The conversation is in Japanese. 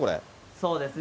そうですね。